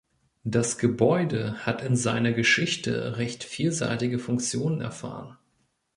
Das Gebäude hat in seiner Geschichte recht vielseitige Funktionen erfahren.